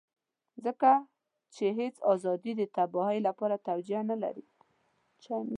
ځکه چې هېڅ ازادي د تباهۍ لپاره توجيه نه لري.